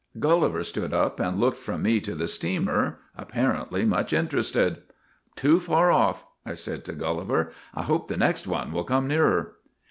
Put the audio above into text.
Gulliver stood up and looked from me to the steamer, apparently much interested. "' Too far off,' I said to Gulliver. ' I hope the next one will come nearer.'